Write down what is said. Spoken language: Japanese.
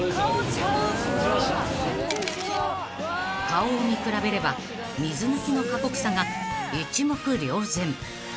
［顔を見比べれば水抜きの過酷さが一目瞭然］